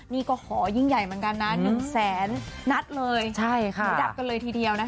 นี่ก็ขอยิ่งใหญ่เหมือนกันนะ๑แสนนัดเลยใช่ค่ะดับกันเลยทีเดียวนะคะ